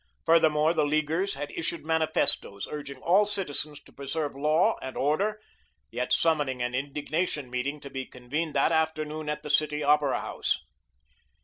Furthermore, the Leaguers had issued manifestoes, urging all citizens to preserve law and order, yet summoning an indignation meeting to be convened that afternoon at the City Opera House.